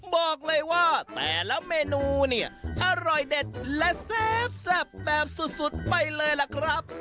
บอกเลยว่าแต่ละเมนูเนี่ยอร่อยเด็ดและแซ่บแบบสุดไปเลยล่ะครับ